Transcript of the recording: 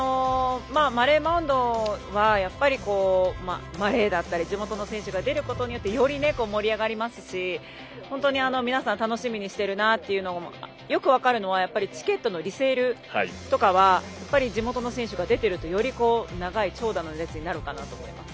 マレー・マウントはマレーだったり地元の選手が出ることによってより盛り上がりますし本当に皆さん楽しみにしているなというのがよく分かるのはチケットのリセールとかは地元の選手が出ているとより長い長蛇の列になると思います。